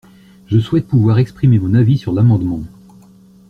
Je souhaite pouvoir exprimer mon avis sur l’amendement.